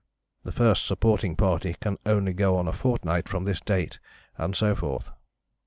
The first supporting party can only go on a fortnight from this date and so forth."